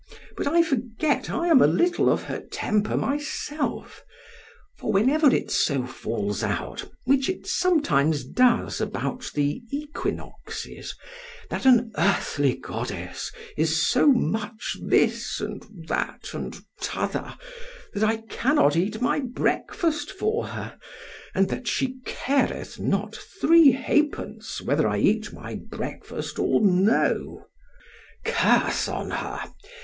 ——but I forget I am a little of her temper myself; for whenever it so falls out, which it sometimes does about the equinoxes, that an earthly goddess is so much this, and that, and t'other, that I cannot eat my breakfast for her——and that she careth not three halfpence whether I eat my breakfast or no—— ——Curse on her!